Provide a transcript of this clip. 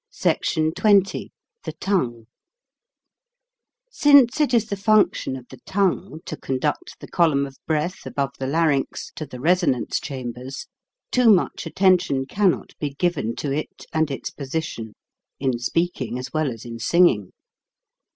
SECTION XX THE TONGUE SINCE it is the function of the tongue to conduct the column of breath above the lar ynx to the resonance chambers, too much attention cannot be given to it and its posi tion, in speaking as well as in singing.